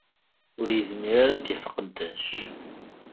Ur yezmir ara ad d-yaff aqeddac